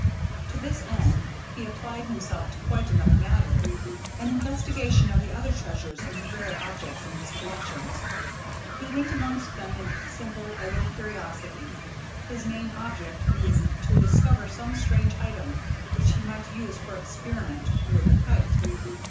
To this end, he applied himself to quite another matter an investigation of the other treasures and rare objects in his collections. He went amongst them in simple, idle curiosity, his main object being to discover some strange item which he might use for experiment with the kite.